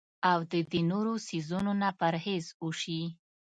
او د دې نورو څيزونو نه پرهېز اوشي